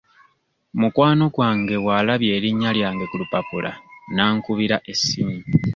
Mukwano gwange bw'alabye erinnya lyange ku lupapula n'ankubira essimu.